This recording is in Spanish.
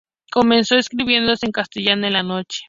Comenzó escribiendo en castellano en "La Noche".